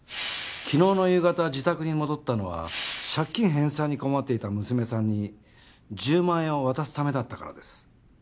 昨日の夕方自宅に戻ったのは借金返済に困っていた娘さんに１０万円を渡すためだったからです。